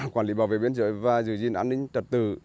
quản lý bảo vệ biên giới và giữ gìn an ninh trật tự